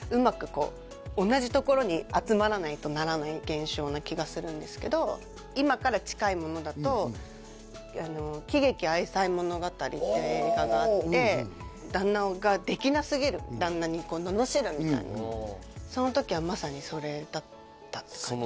こう同じところに集まらないとならない現象な気がするんですけど今から近いものだとっていう映画があって旦那ができなすぎる旦那にののしるみたいなその時はまさにそれだったって感じですね